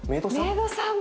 メイドさん？